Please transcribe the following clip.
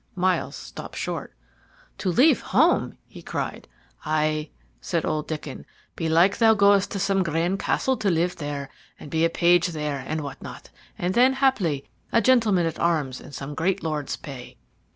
Myles stopped short. "To leave home!" he cried. "Aye," said old Diccon, "belike thou goest to some grand castle to live there, and be a page there and what not, and then, haply, a gentleman at arms in some great lord's pay."